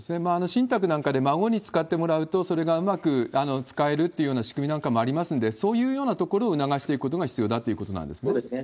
信託なんかで孫に使ってもらうと、それがうまく使えるっていうような仕組みもありますんで、そういうようなところを促していくことが必要だということなんでそうですね。